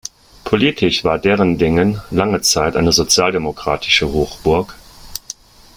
Politisch war Derendingen lange Zeit eine sozialdemokratische Hochburg.